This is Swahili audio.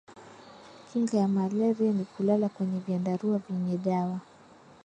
kinga ya malaria ni kulala kwenye vyandarua vyenye dawa